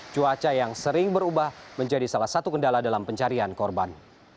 cuaca yang sering berubah menjadi salah satu kendala dalam pencarian korban